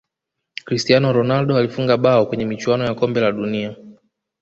cristiano ronaldo alifunga bao kwenye michuano ya kombe la dunia